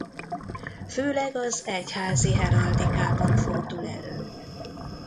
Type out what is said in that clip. Főleg az egyházi heraldikában fordul elő.